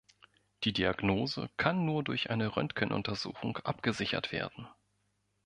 Die Diagnose kann nur durch eine Röntgenuntersuchung abgesichert werden.